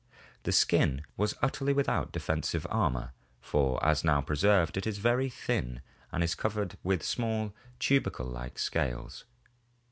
The skin was utterly without defensive armor, for as now preserved it is very thin and is covered with small tubercle like scales.